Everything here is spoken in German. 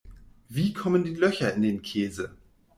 Wie kommen die Löcher in den Käse?